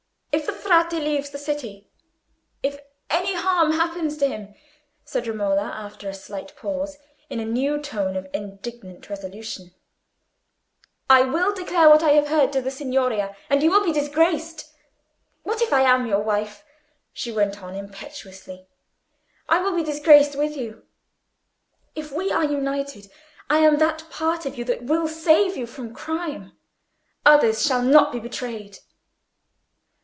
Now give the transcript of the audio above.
"If the Frate leaves the city—if any harm happens to him," said Romola, after a slight pause, in a new tone of indignant resolution,—"I will declare what I have heard to the Signoria, and you will be disgraced. What if I am your wife?" she went on, impetuously; "I will be disgraced with you. If we are united, I am that part of you that will save you from crime. Others shall not be betrayed."